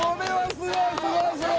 すごい！